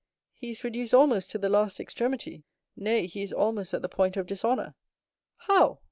"He is reduced almost to the last extremity—nay, he is almost at the point of dishonor." "How?"